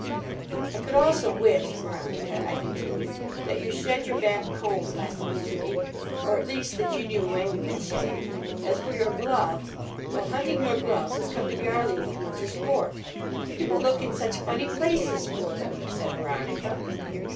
"I could also wish, Veronica," I continued, "that you shed your back comb less easily, or at least that you knew when you had shed it. As for your gloves—well, hunting your gloves has come to be our leading winter sport." "People look in such funny places for them," said Veronica.